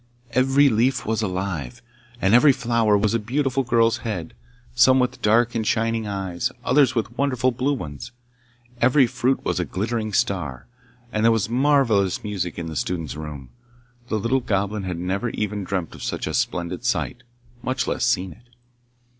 Every leaf was alive, and every flower was a beautiful girl's head, some with dark and shining eyes, others with wonderful blue ones. Every fruit was a glittering star, and there was a marvellous music in the student's room. The little Goblin had never even dreamt of such a splendid sight, much less seen it.